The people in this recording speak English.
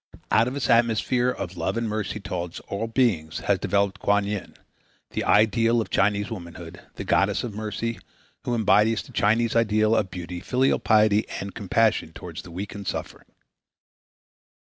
Out of its atmosphere of love and mercy toward all beings has developed Kuan Yin, the ideal of Chinese womanhood, the goddess of Mercy, who embodies the Chinese ideal of beauty, filial piety and compassion toward the weak and suffering.